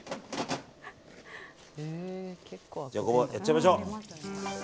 じゃあゴボウやっちゃいましょう。